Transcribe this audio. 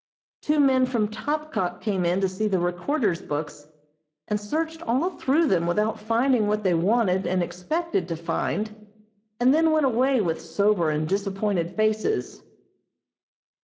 Two men from Topkok came in to see the Recorder's books, and searched all through them without finding what they wanted and expected to find, and then went away with sober and disappointed faces.